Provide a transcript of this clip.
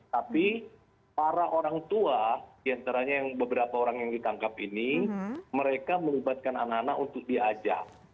tapi para orang tua diantaranya yang beberapa orang yang ditangkap ini mereka melibatkan anak anak untuk diajak